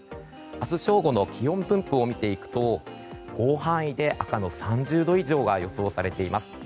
明日正午の気温分布を見ていくと広範囲で赤の３０度以上が予想されています。